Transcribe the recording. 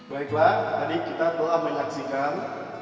baiklah tadi kita telah menyaksikan